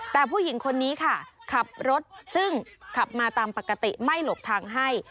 แต่ผู้หญิงคนนี้ค่ะขับรถซึ่งขับมาตามปกติไม่หลบทางให้